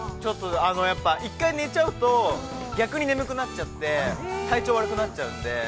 やっぱ、１回寝ちゃうと逆に眠くなっちゃって体調悪くなっちゃうので。